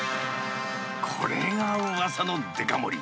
これがうわさのデカ盛り。